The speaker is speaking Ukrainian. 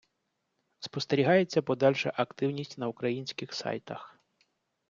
спостерігається подальша активність на українських сайтах